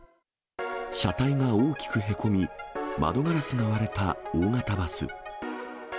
車体が大きくへこみ、窓ガラスが割れた大型バス。